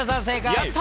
やった！